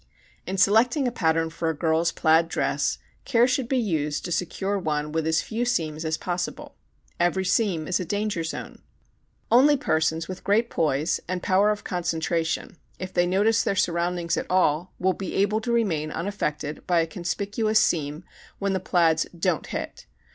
In selecting a pattern for a girl's plaid dress care should be used to secure one with as few seams as possible. Every seam is a danger zone. Only persons with great poise and power of concentration, if they notice their surroundings at all, will be able to remain unaffected by a conspicuous seam when the plaids "don't hit."